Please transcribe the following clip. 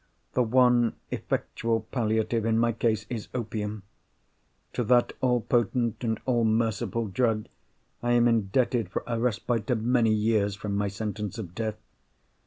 The one effectual palliative in my case, is—opium. To that all potent and all merciful drug I am indebted for a respite of many years from my sentence of death.